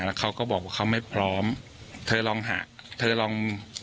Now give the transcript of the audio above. แล้วเขาก็บอกว่าเขาไม่พร้อมเธอลองหาเธอลอง